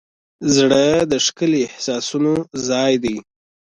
زړه د ښکلي احساسونو ځای دی.